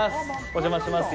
お邪魔します。